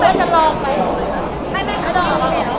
พูดดัง